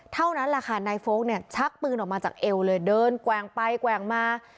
เท่านั้นแหละค่ะนายโฟลกเนี่ยชักปืนออกมาจากเอวเลยเดินแกว่งไปแกว่งมา